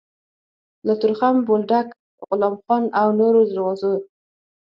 له تورخم، بولدک، غلام خان او نورو دروازو